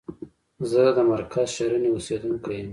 زه د مرکز شرنی اوسیدونکی یم.